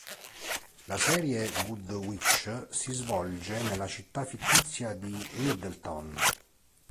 La serie Good Witch si svolge nella città fittizia di Middleton.